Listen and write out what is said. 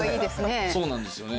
そうなんですよね。